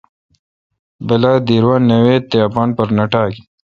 بلا دیر وا نہ ویت تے اپان پر نہ نہ ٹاک